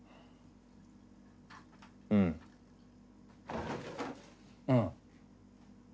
うんうん。